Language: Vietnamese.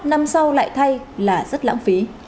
năm sau lại thay là rất lãng phí